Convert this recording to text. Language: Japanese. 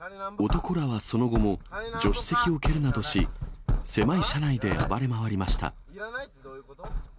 男らはその後も、助手席を蹴るなどし、狭い車内で暴れ回りました。